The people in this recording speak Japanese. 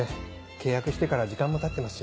契約してから時間もたってますし。